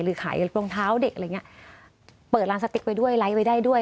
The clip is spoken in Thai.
หรือขายกับรองเท้าเด็กอะไรอย่างเงี้ยเปิดร้านสติกไปด้วยไล่ไปได้ด้วย